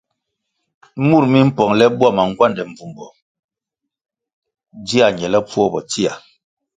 Munung mi mpongle bwama ngwande mbvumbo dzia ñelepfuo bo tsia.